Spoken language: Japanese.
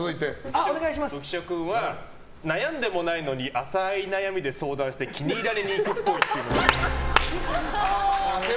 浮所君は悩んでもないのに浅い悩みで相談して気に入られにいくっぽい。